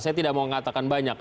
saya tidak mau mengatakan banyak